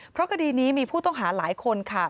เพราะคดีนี้มีผู้ต้องหาหลายคนค่ะ